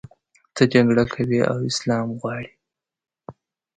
ته جګړه کوې او اسلام غواړې.